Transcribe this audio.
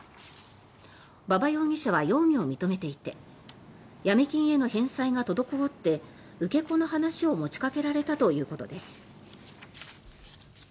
馬場容疑者は容疑を認めていてヤミ金への返済が滞って受け子の話を持ちかけられたということです。